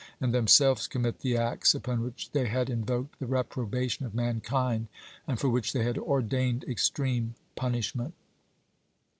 and themselves commit the acts upon which they had invoked the reprobation of mankind, and for which they had ordained extreme pmiishment.